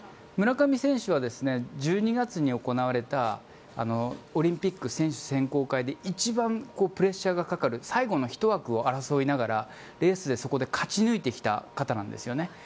村上選手は１２月に行われたオリンピック選手選考会で一番プレッシャーがかかる最後の１枠を争いながらレースでそこで勝ち抜いてきた方なんですよね。